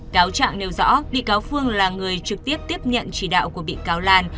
cáo trạng nêu rõ bị cáo phương là người trực tiếp tiếp nhận chỉ đạo của bị cáo lan